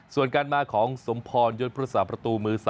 ส่วนการมาของสมพรยศพุทธศาสตร์ประตูมือ๓